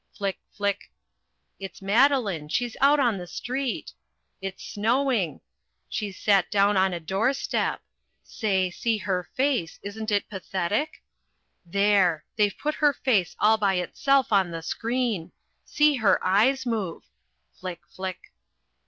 Flick, flick it's Madeline she's out in the street it's snowing she's sat down on a doorstep say, see her face, isn't it pathetic? There! They've put her face all by itself on the screen. See her eyes move! Flick, flick!